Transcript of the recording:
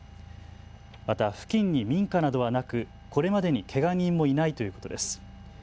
また付近に民家などはなくこれまでにけが人もいないということです。